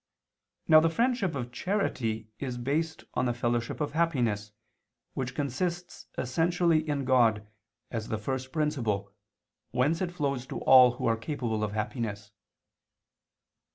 Now the friendship of charity is based on the fellowship of happiness, which consists essentially in God, as the First Principle, whence it flows to all who are capable of happiness.